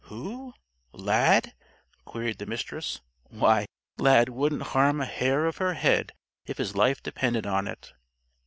"Who? Lad," queried the Mistress. "Why, Lad wouldn't harm a hair of her head if his life depended on it!